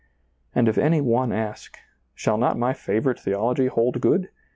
And if any one ask, " Shall not my favorite theology hold good?